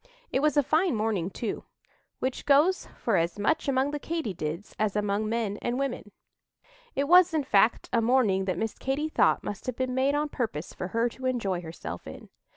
It was a fine morning, too, which goes for as much among the Katy dids as among men and women. It was, in fact, a morning that Miss Katy thought must have been made on purpose for her to enjoy herself in.